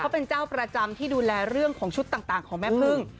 เขาเป็นเจ้าประจำที่ดูแลเรื่องของชุดต่างของแม่พึ่ง